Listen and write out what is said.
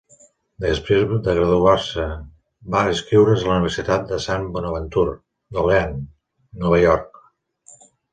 Després de graduar-se va inscriure's a la universitat de Saint Bonaventure d'Olean, Nova York.